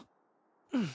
うん。